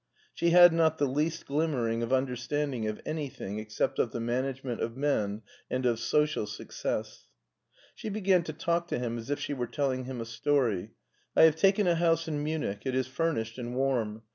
She had not the least glimmering of understanding of anything except of the management of men and of social success. She began to talk to him as if she were telling him a story. " I have taken a house in Munich. It is furnished and warm.